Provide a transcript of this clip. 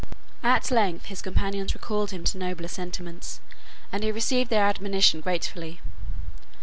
At length his companions recalled him to nobler sentiments, and he received their admonition gratefully.